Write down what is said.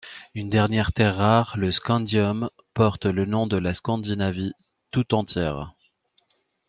Une dernière terre rare, le scandium, porte le nom de la Scandinavie tout entière.